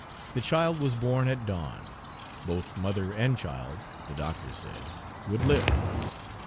The child was born at dawn. Both mother and child, the doctor said, would live.